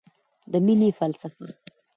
د مینې فلسفه